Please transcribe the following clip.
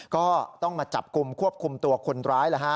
ก็ต้องมาจับกลุ่มควบคุมตัวคนร้าย